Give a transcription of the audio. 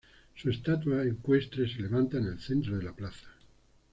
Su estatua ecuestre se levanta en el centro de la plaza.